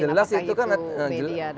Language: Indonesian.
apakah itu media dan lain sebagainya